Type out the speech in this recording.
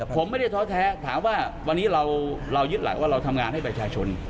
ผมไม่ได้ท้อแท้ถามว่าวันนี้เรายึดหลักว่าเราทำงานให้ประชาชน